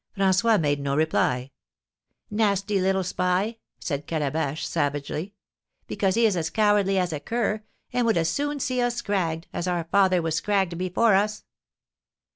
François made no reply. "Nasty little spy!" said Calabash, savagely; "because he is as cowardly as a cur, and would as soon see us scragged, as our father was scragged before us."